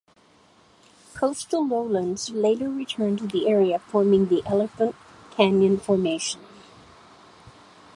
Coastal lowlands later returned to the area, forming the Elephant Canyon Formation.